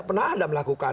pernah ada melakukan